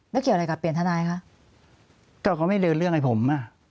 แล้วเกี่ยวอะไรกับเปลี่ยนทนายคะก็เขาไม่เดินเรื่องไอ้ผมอ่ะ